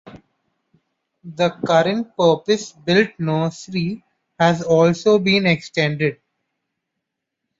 The current purpose built Nursery has also been extended.